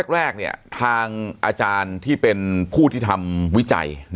แรกทางอาจารย์ที่เป็นผู้ที่ทำวิจัย